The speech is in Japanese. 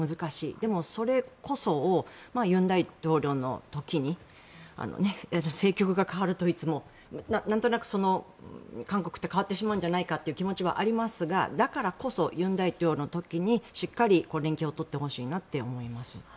でも、それこそを尹大統領の時に政局が代わるといつもなんとなく韓国って変わってしまうんじゃないかという気持ちはありますがだからこそ尹大統領の時にしっかり連携を取ってほしいなと思います。